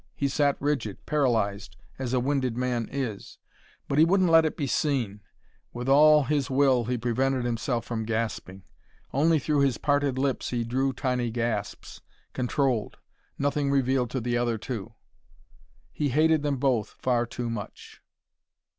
He sat rigid, paralysed as a winded man is. But he wouldn't let it be seen. With all his will he prevented himself from gasping. Only through his parted lips he drew tiny gasps, controlled, nothing revealed to the other two. He hated them both far too much.